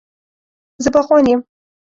زه باغوان یم